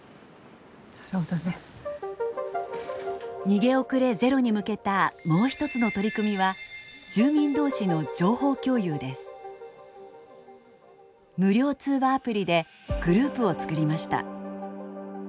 逃げ遅れゼロに向けたもう一つの取り組みは無料通話アプリでグループを作りました。